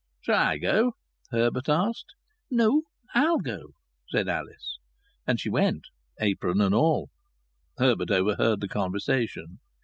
"Shall I go?" Herbert asked. "No I'll go," said Alice. And she went apron and all. Herbert overheard the conversation.